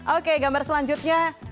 oke gambar selanjutnya